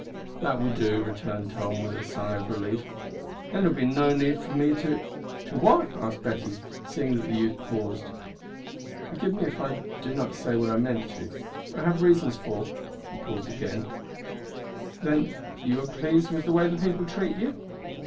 "That will do," returned Tom, with a sigh of relief; "then there will be no need for me to " "To what?" asked Betty, seeing that the youth paused. "Forgive me if I do not say what I meant to. I have reasons for " (he paused again) "Then you are pleased with the way the people treat you?"